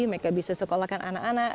mereka bisa sekolahkan anak anak